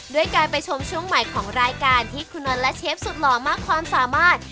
ด้วยการไปชมช่วงใหม่ของรายการที่คุณน็อตและเชฟสุดหล่อมากความสามารถ